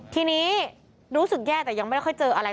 ทีนี้รู้สึกแย่แต่ยังไม่ได้ค่อยเจออะไร